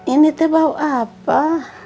ini tuh bau apa